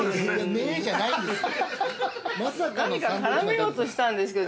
◆ねじゃないですよ。